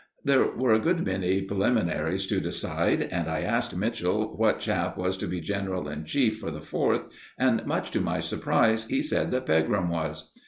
There were a good many preliminaries to decide, and I asked Mitchell what chap was to be general in chief for the Fourth, and, much to my surprise, he said that Pegram was.